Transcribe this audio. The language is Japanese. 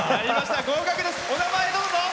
お名前、どうぞ。